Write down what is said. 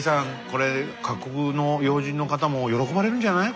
これ各国の要人の方も喜ばれるんじゃない？